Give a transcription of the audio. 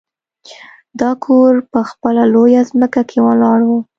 دا کور په خپله لویه ځمکه کې ولاړ و